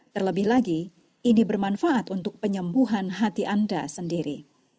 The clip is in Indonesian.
terlebih lagi ini bermanfaat untuk penyembuhan hati anda sendiri